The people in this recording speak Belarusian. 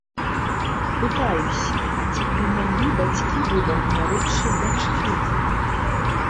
Пытаюся, а ці прынялі бацькі выбар малодшай дачкі.